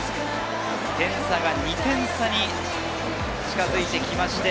点差が２点差に近づいてきました。